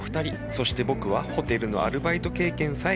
そして僕はホテルのアルバイト経験さえ皆無。